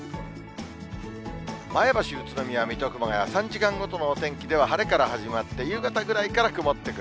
前橋、宇都宮、水戸、熊谷、３時間ごとのお天気では晴れから始まって、夕方ぐらいから曇ってくる。